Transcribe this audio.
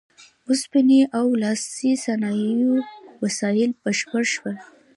اوسپنې او لاسي صنایعو وسایل بشپړ شول.